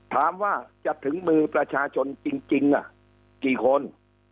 ถามว่าจะถึงมือประชาชนจริงกี่คน